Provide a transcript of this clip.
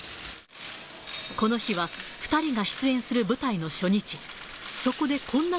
この日は２人が出演する舞台の初日。